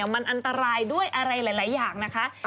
มันอันตรายด้วยอะไรหลายอย่างนะคะ